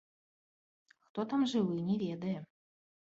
Хто там жывы, не ведае.